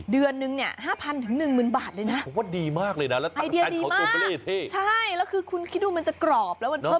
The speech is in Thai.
เดือนหนึ่ง๕๐๐๐๑๐๐๐๐บาทเลยนะ